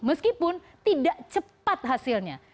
meskipun tidak cepat hasilnya